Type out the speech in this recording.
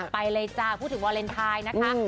ไปเลยจ้าพูดถึงวาเลนไทยนะคะ